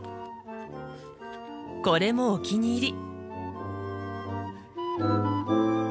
これもお気に入り。